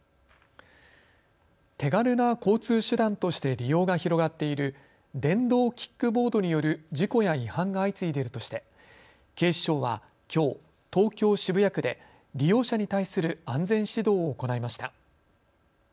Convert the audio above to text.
手軽な交通手段として利用が広がっている電動キックボードによる事故や違反が相次いでいるとして警視庁はきょう、東京渋谷区で利用者に対する安全指導を行いました。